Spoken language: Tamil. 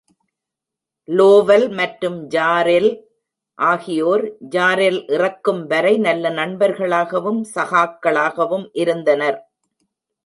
லோவல் மற்றும் ஜாரெல் ஆகியோர் ஜாரெல் இறக்கும் வரை நல்ல நண்பர்களாகவும் சகாக்களாகவும் இருந்தனர்.